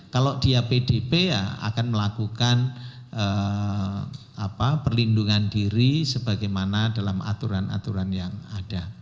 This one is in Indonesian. kalau dia pdp ya akan melakukan perlindungan diri sebagaimana dalam aturan aturan yang ada